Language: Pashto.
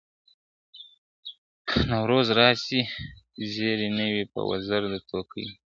نوروز راسي زېری نه وي پر وزر د توتکیو ,